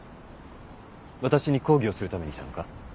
私に抗議をするために来たのか？